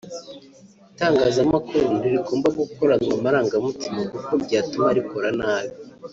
Itangazamakuru ntirigomba gukoranwa amarangamutima kuko byatuma rikora nabi